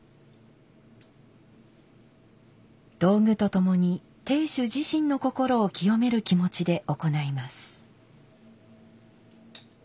道具とともに亭主自身の心を清める気持ちで行います。